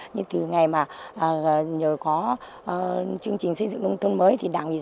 nhưng từ ngày mà nhờ có chương trình xây dựng nông thôn mới